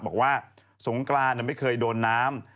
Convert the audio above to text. บอกว่าสงกรานไม่เคยโดนน้ำ